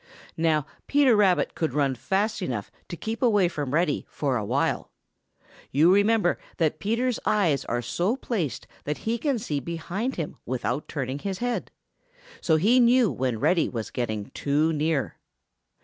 Now, Peter Rabbit could run fast enough to keep away from Reddy for a while. You remember that Peter's eyes are so placed that he can see behind him without turning his head. So he knew when Reddy was getting too near.